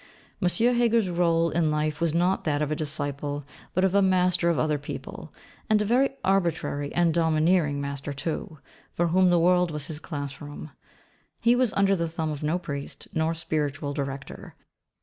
M. Heger's role in life was not that of a disciple but of a Master of other people, and a very arbitrary and domineering Master too, for whom the world was his class room. He was under the thumb of no priest, nor spiritual director.